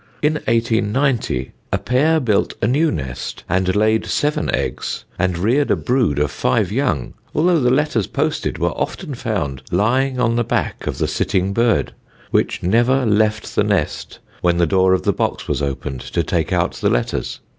In 1890, a pair built a new nest and laid seven eggs, and reared a brood of five young, although the letters posted were often found lying on the back of the sitting bird, which never left the nest when the door of the box was opened to take out the letters.